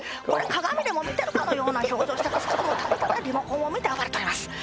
鏡でも見てるかのような表情してますけどただただリモコンを見て暴れております